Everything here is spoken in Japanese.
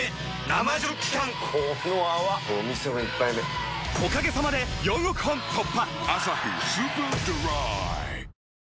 生ジョッキ缶この泡これお店の一杯目おかげさまで４億本突破！